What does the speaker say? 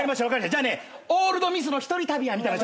じゃあねオールドミスの一人旅やみたいな。